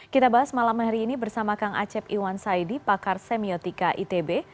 kita bahas malam hari ini bersama kang acep iwan saidi pakar semiotika itb